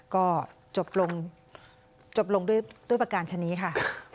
ก็จบลงจบลงด้วยประการชนิดนี้ค่ะ